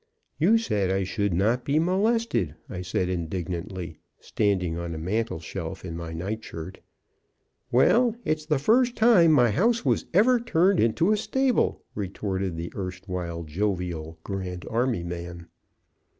"You said I should not be molested!" I said indignantly, standing on a mantle shelf in my night shirt. "Well! It's the first time my house was ever turned into a stable," retorted the erstwhile jovial Grand Army man.